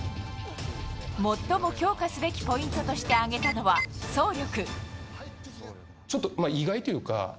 最も強化すべきポイントとして挙げたのは、走力。